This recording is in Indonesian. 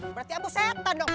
berarti ambo setan dong